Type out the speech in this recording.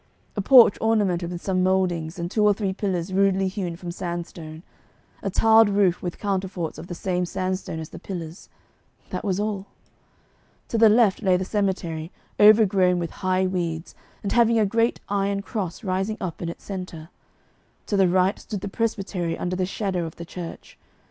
A porch ornamented with some mouldings, and two or three pillars rudely hewn from sandstone; a tiled roof with counterforts of the same sandstone as the pillars that was all. To the left lay the cemetery, overgrown with high weeds, and having a great iron cross rising up in its centre; to the right stood the presbytery under the shadow of the church.